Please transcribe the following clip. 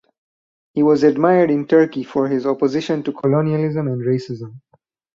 He was admired in Turkey for his opposition to colonialism and racism.